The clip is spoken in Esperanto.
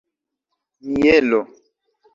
mielo